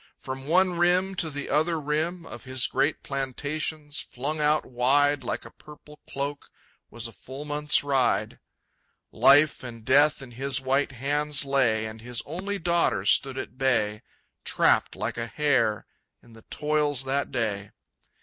From one rim to the other rim Of his great plantations, flung out wide Like a purple cloak, was a full month's ride. Life and death in his white hands lay, And his only daughter stood at bay, Trapped like a hare in the toils that day.